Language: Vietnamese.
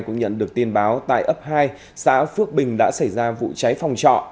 cũng nhận được tin báo tại ấp hai xã phước bình đã xảy ra vụ cháy phòng trọ